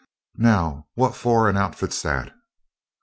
"Now what for an outfit's that?"